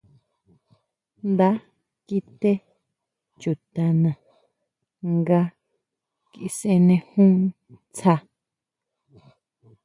Nda kité chutana nga kisunejún ndsa.